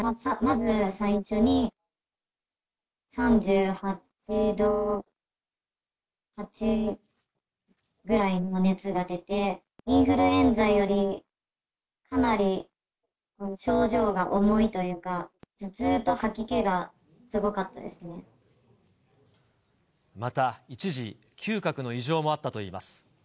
まず最初に、３８度８ぐらいの熱が出て、インフルエンザよりかなり症状が重いというか、頭痛と吐き気がすまた一時、嗅覚の異常もあったといいます。